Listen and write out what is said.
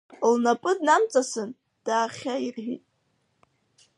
Лнапы днамҵасын, даахьаирҳәит.